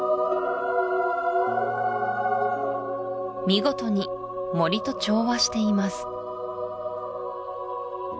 見事に森と調和しています